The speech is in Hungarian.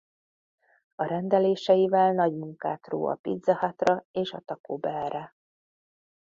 A rendeléseivel nagy munkát ró a Pizza Hut-ra és a Taco Bellre.